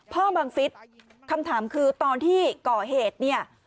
พ่อบังฟิศคำถามคือตอนที่ก่อเหตุ